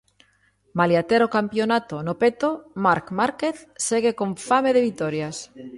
Malia ter o campionato no peto Marc Márquez segue con fame de vitorias.